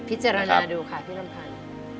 พิจารณาดูค่ะพี่ลำพันธ์